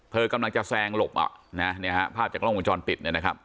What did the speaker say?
เธอกำลังจะแซงหลบภาพจากล้องกุญจรปิด